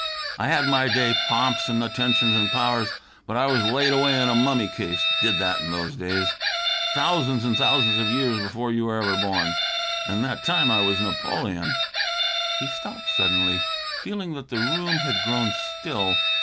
I had my day; pomps and attentions and powers. But I was laid away in a mummy case did that in those days thous'n's and thous'n's of years before you were ever born an' that time I was Napoleon ..." He stopped suddenly, feeling that the room had grown still.